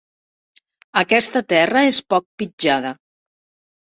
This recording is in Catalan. Aquesta terra és poc pitjada.